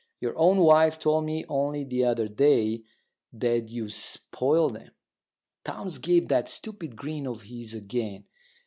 Your own wife told me only the other day that you spoilt 'em." Townes gave that stupid grin of his again.